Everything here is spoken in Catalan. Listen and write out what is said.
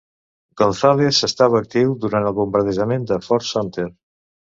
Gonzales estava actiu durant el bombardejament de Fort Sumter.